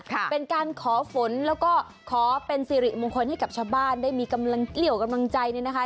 เป็นการขอฝนแล้วก็ขอเป็นสิริมงคลให้กับชาวบ้านได้มีกำลังเกลี่ยวกำลังใจเนี่ยนะคะ